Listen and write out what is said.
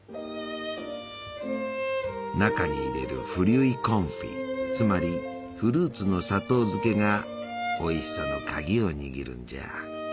中に入れるフリュイ・コンフィつまりフルーツの砂糖漬けがおいしさの鍵を握るんじゃ。